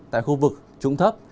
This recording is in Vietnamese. tại khu vực trung thấp